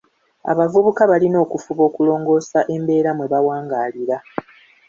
Abavubuka balina okufuba okulongoosa embeera mwe bawangaalira.